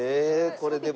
これでも。